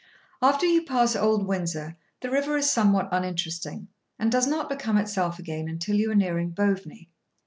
After you pass Old Windsor, the river is somewhat uninteresting, and does not become itself again until you are nearing Boveney.